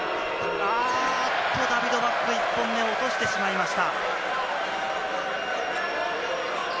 ダビドバック、１本目、落としてしまいました。